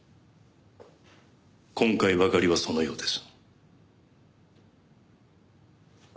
今回ばかりはそのようです。